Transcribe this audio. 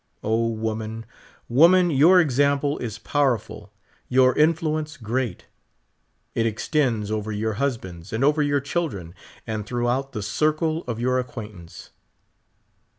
O, woman, woman, your example is powerful, your influ en(5e great ; it extends over 3'our husbands and over3^our children, and throughout the circle of your acquaintance.